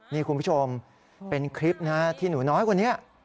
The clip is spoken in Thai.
นี่คุณผู้ชมเป็นคลิปนะที่หนูน้อยคนนี้